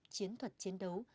chiến thuật chiến đấu